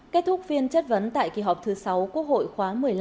kết thúc phiên chất vấn tại kỳ họp thứ sáu quốc hội khóa một mươi năm